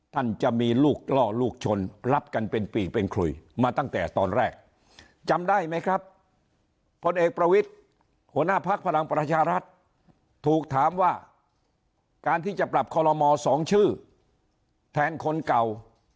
ถูกถามว่าการที่จะปรับคอรมอ๒ชื่อแทนคนเก่า